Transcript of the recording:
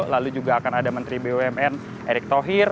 lalu juga akan ada menteri bumn erick thohir